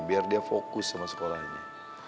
biar dia fokus sama sekolahnya